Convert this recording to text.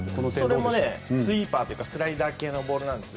それもスイーパーというかスライダー系のボールなんです。